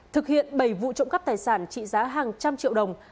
thực hiện bảy vụ trộm cắp tài sản trị giá hàng trăm triệu đồng